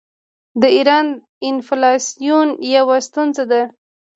د ایران انفلاسیون یوه ستونزه ده.